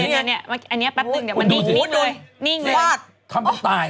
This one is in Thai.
อันนี้แป๊บนึงเดี๋ยวมันนิ่งเลยนิ่งเลยทำให้ตาย